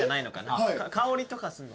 香りとかすんの？